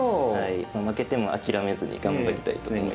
もう負けても諦めずに頑張りたいと思います。